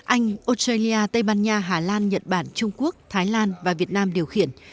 anh australia tây ban nha hà lan nhật bản trung quốc thái lan và việt nam điều khiển